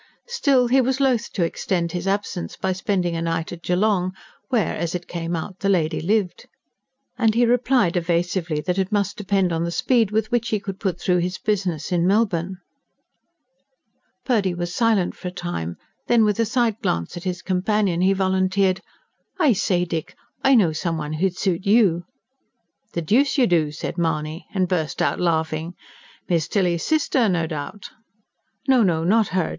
Still, he was loath to extend his absence by spending a night at Geelong, where, a, it came out, the lady lived; and he replied evasively that it must depend on the speed with which he could put through his business in Melbourne. Purdy was silent for a time. Then, with a side glance at his companion, he volunteered: "I say, Dick, I know some one who'd suit you." "The deuce you do!" said Mahony, and burst out laughing. "Miss Tilly's sister, no doubt?" "No, no not her.